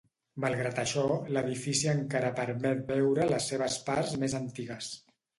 Malgrat això, l'edifici encara permet veure les seves parts més antigues.